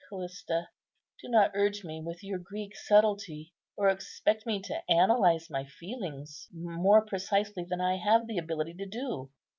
Callista, do not urge me with your Greek subtlety, or expect me to analyze my feelings more precisely than I have the ability to do.